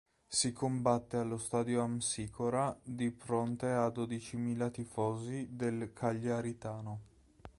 Si combatte allo Stadio Amsicora di fronte a dodicimila tifosi del cagliaritano.